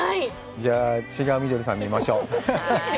じゃあ違うみどりさん、見ましょう。